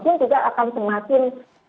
ini juga akan semakin